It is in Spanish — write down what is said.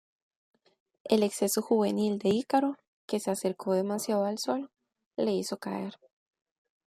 El exceso juvenil de Ícaro, que se acercó demasiado al sol, le hizo caer.